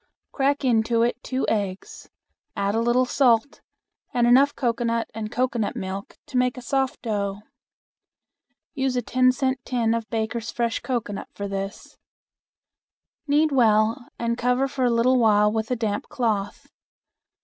Crack into it two eggs, add a little salt, and enough cocoanut and cocoanut milk to make a soft dough. Use a ten cent tin of Baker's fresh cocoanut for this. Knead well and cover for a little while with a damp cloth.